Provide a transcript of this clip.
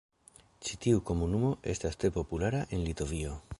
Ĉi tiu komunumo estas tre populara en Litovio.